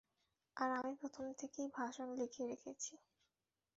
আর আমি প্রথম থেকেই ভাষণ লিখে রেখেছি।